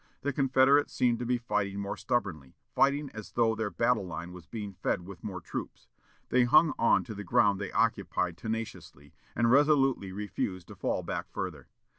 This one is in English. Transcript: The Confederates seemed to be fighting more stubbornly, fighting as though their battle line was being fed with more troops. They hung on to the ground they occupied tenaciously, and resolutely refused to fall back further.